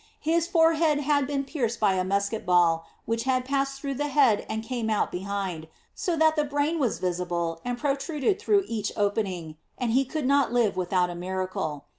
His forehead had been pierced by a musket ball, which had passed through the head and came out behind, so that the brain was visible and protruded through each opening, and he could not live without a miracle.